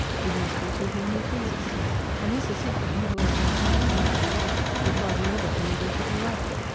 it must be to whom he pleases:' and Mrs. Hickman (who, as Miss Howe, cannot do wrong) would hardly ever be able to do right.